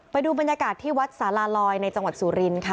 ไปดูบรรยากาศที่วัดสาราลอยในจังหวัดสุรินค่ะ